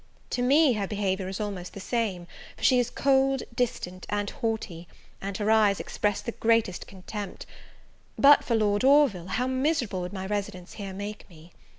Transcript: To me her behaviour is almost the same: for she is cold, distant, and haughty, and her eyes express the greatest contempt. But for Lord Orville, how miserable would my residence here make me!